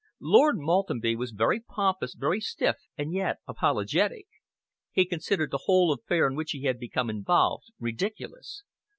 Lord Maltenby was very pompous, very stiff, and yet apologetic. He considered the whole affair in which he had become involved ridiculous.